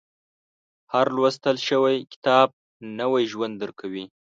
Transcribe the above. • هر لوستل شوی کتاب، نوی ژوند درکوي.